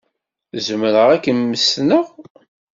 Zemreɣ ad kem-mmestneɣ.